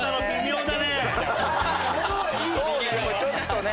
ちょっとね。